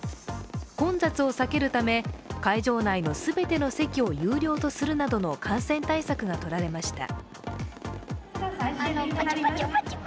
混雑を避けるため、会場内の全ての席を有料とするなどの感染対策が取られました。